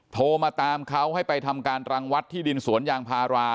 โทรมาตามเขาให้ไปทำการรังวัดที่ดินสวนยางพารา